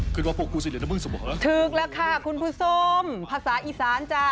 ถูกละค่ะคุณภูมิส้มภาษาอีสานจ้ะ